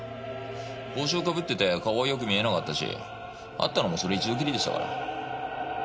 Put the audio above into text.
帽子をかぶってて顔はよく見えなかったし会ったのもそれ一度きりでしたから。